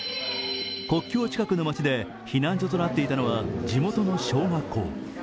国境近くの街で避難所となっていたのは地元の小学校。